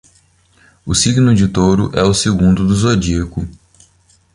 O signo de touro é o segundo do zodíaco